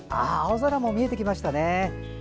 青空も見えてきましたね。